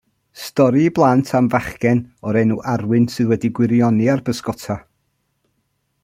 Stori i blant am fachgen o'r enw Arwyn sydd wedi gwirioni ar bysgota.